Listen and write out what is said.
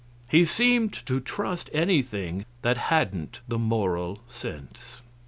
He seemed to trust anything that hadn't the Moral Sense.